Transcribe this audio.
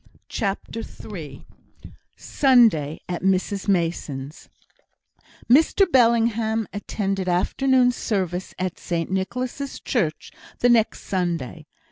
CHAPTER III Sunday at Mrs Mason's Mr Bellingham attended afternoon service at St Nicholas' church the next Sunday.